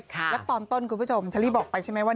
แล้วตอนต้นคุณผู้ชมเชอรี่บอกไปใช่ไหมว่า